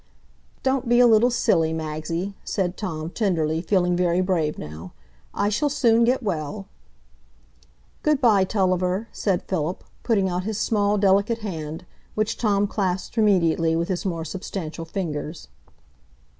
"Don't be a little silly, Magsie," said Tom, tenderly, feeling very brave now. "I shall soon get well." "Good by, Tulliver," said Philip, putting out his small, delicate hand, which Tom clasped immediately with his more substantial fingers.